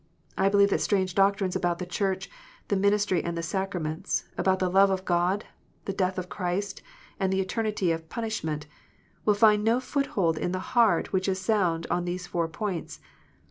I believe that strange doctrines about the Church, the ministry, and the sacraments, about the love of God, the death of Christ, and the eternity of punishment, will find no foothold in the heart which is sound on these four points.